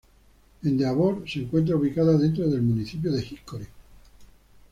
Endeavor se encuentra ubicada dentro del municipio de Hickory.